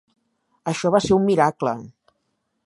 Això va ser un miracle!